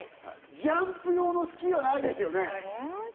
ジャンプ用のスキーはないですよね？